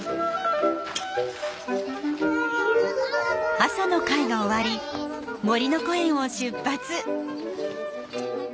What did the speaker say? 朝の会が終わりもりのこえんを出発。